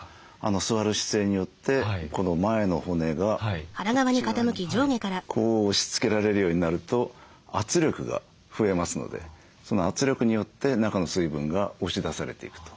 座る姿勢によってこの前の骨がこっち側にこう押しつけられるようになると圧力が増えますのでその圧力によって中の水分が押し出されていくと。